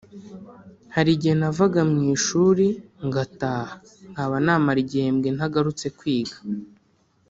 hari igihe navaga mu ishuri ngataha nkaba namara igihembwe ntagarutse kwiga